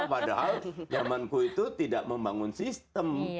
padahal permenku itu tidak membangun sistem